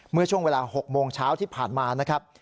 เมื่อช่วงเวลา๖โมงเช้าที่ผ่านมานะครับ